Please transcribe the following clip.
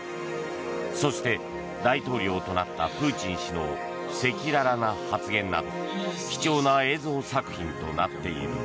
そして大統領となったプーチン氏の赤裸々な発言など貴重な映像作品となっている。